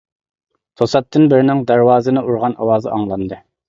توساتتىن بىرىنىڭ دەرۋازىنى ئۇرغان ئاۋاز ئاڭلاندى.